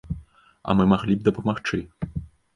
А мы маглі б дапамагчы.